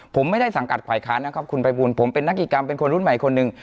ผมไม่ได้สังกัดฝ่ายค้านนะครับคุณภัยบูลผมเป็นนักกิจกรรมเป็นคนรุ่นใหม่คนหนึ่ง